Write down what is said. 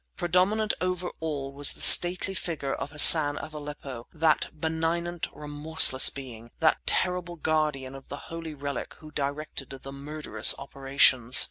Predominant over all was the stately figure of Hassan of Aleppo, that benignant, remorseless being, that terrible guardian of the holy relic who directed the murderous operations.